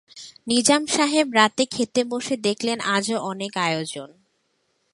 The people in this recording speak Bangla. নিজাম সাহেব রাতে খেতে বসে দেখলেন, আজও অনেক আয়োজন।